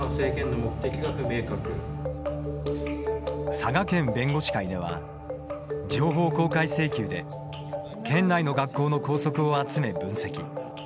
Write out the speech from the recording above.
佐賀県弁護士会では情報公開請求で県内の学校の校則を集め分析。